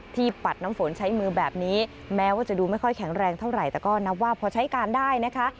ปัดน้ำฝนใช้มือแบบนี้แม้ว่าจะดูไม่ค่อยแข็งแรงเท่าไหร่แต่ก็นับว่าพอใช้การได้นะคะ